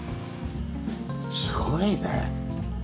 すごいね。